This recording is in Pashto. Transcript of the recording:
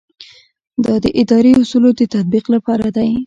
دا د اداري اصولو د تطبیق لپاره دی.